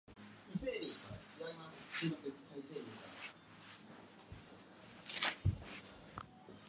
Reconstruction of the airport is still under way to improve the facilities.